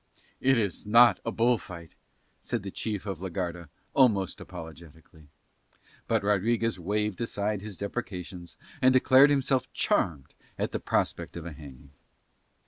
"It is not a bull fight," said the chief of la Garda almost apologetically. But Rodriguez waved aside his deprecations and declared himself charmed at the prospect of a hanging.